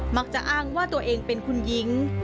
มักจะอ้างว่าตัวเองเป็นคุณหญิง